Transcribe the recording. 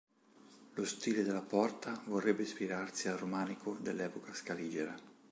Lo stile della Porta vorrebbe ispirarsi al romanico dell'epoca scaligera.